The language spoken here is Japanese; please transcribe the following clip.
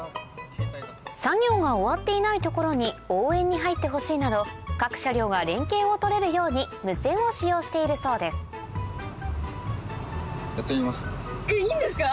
作業が終わっていない所に応援に入ってほしいなど各車両が連携を取れるように無線を使用しているそうですえっいいんですか？